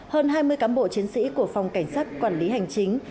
hơn hai mươi cán bộ chiến sĩ của phòng cảnh sát quản lý hành chính